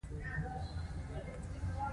د ملاريا له سختې تبي را لټېدم.